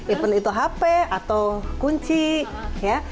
even itu hp atau kunci ya